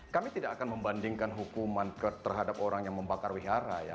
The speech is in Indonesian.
kami tidak akan membandingkan hukuman terhadap orang yang membakar wihara ya